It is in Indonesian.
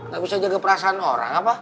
gak bisa jaga perasaan orang apa